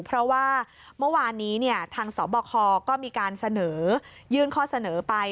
เพราะว่าเมื่อวานนี้ทางสบคก็มีการเสนอยื่นข้อเสนอไป